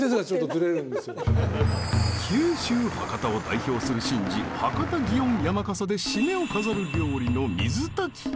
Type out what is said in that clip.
九州博多を代表する神事博多祇園山笠で締めを飾る料理の水炊き。